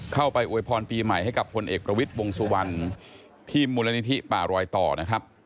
อวยพรปีใหม่ให้กับคนเอกประวิทย์วงสุวรรณที่มูลนิธิป่ารอยต่อนะครับ